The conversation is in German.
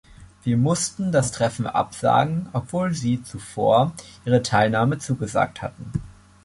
Wir mussten das Treffen absagen, obwohl Sie zuvor Ihre Teilnahme zugesagt hatten.